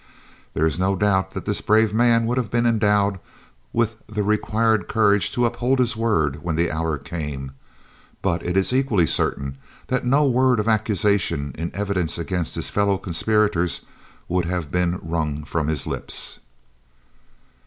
There is no doubt that this brave man would have been endowed with the required courage to uphold his word when the hour came, but it is equally certain that no word of accusation in evidence against his fellow conspirators would have been wrung from his lips.